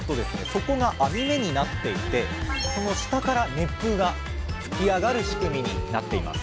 底が網目になっていてその下から熱風が吹き上がる仕組みになっています